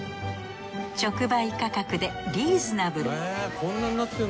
直売価格でリーズナブル。